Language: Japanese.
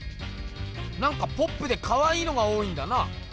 なんかポップでかわいいのが多いんだな。